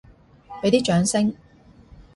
畀啲掌聲！